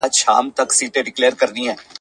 لکه وروڼه یو له بله سره ګران ول !.